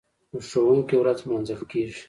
د ښوونکي ورځ لمانځل کیږي.